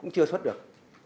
chưa xuất được